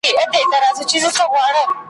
د انسان د ژوند د چارو یو حکمت دی ,